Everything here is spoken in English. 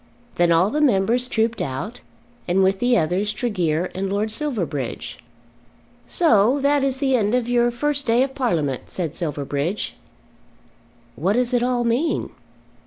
Then all the members trooped out, and with the others Tregear and Lord Silverbridge. "So that is the end of your first day of Parliament," said Silverbridge. "What does it all mean?"